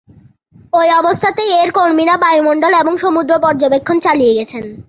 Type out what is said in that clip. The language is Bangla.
ঐ অবস্থাতেই এর কর্মীরা বায়ুমণ্ডল এবং সমুদ্র পর্যবেক্ষণ চালিয়ে গেছেন।